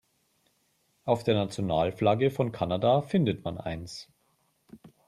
Auf der Nationalflagge von Kanada findet man eins.